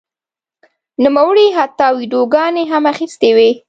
نوموړي حتی ویډیوګانې هم اخیستې وې.